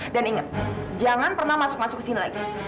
dan inget jangan pernah masuk masuk sini lagi